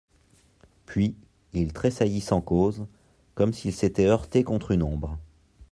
Puis, il tressaillit sans cause, comme s'il s'était heurté contre une ombre.